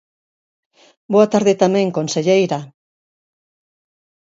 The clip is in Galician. Boa tarde tamén, conselleira.